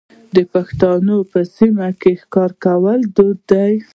د پښتنو په سیمو کې ښکار کول دود دی.